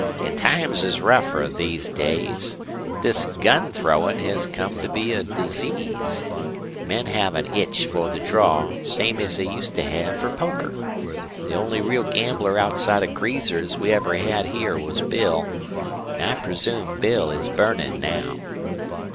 An' times is rougher these days. This gun throwin' has come to be a disease. Men have an itch for the draw same as they used to have fer poker. The only real gambler outside of greasers we ever had here was Bill, an' I presume Bill is burnin' now."